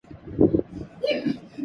آج کا دن کیسے گزرا؟